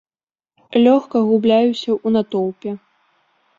Лёгка губляюся ў натоўпе.